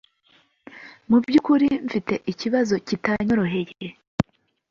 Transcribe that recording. Mu by’ukuri mfite ikibazo kitanyoroheye